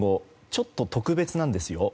ちょっと特別なんですよ。